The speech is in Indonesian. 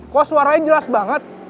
kok suaranya jelas banget